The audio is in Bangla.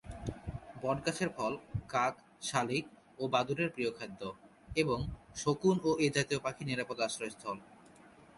বট গাছের ফল কাক, শালিক ও বাদুড়ের প্রিয় খাদ্য এবং শকুন ও এ জাতীয় পাখির নিরাপদ আশ্রয়স্থল।